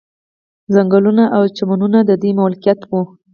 ځنګلونه او چمنونه د دوی ملکیت وو.